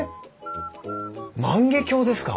万華鏡ですか！